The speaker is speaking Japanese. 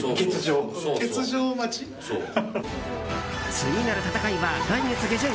次なる戦いは来月下旬。